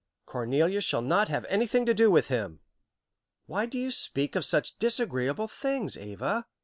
Cornelia shall not have anything to do with him. Why do you speak of such disagreeable things, Ava?"